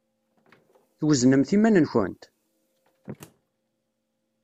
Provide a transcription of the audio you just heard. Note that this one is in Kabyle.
Tweznemt iman-nkent?